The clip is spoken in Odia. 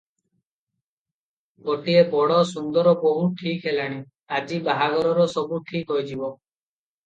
ଗୋଟିଏ ବଡ଼ ସୁନ୍ଦର ବୋହୂ ଠିକ୍ ହେଲାଣି, ଆଜି ବାହାଘରର ସବୁ ଠିକ ହୋଇଯିବ ।"